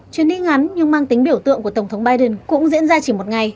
chuyến đi ngắn nhưng mang tính biểu tượng của tổng thống biden cũng diễn ra chỉ một ngày